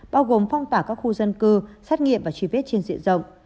bao gồm phong tỏa các khu dân cư xét nghiệm và truy vết trên diện rộng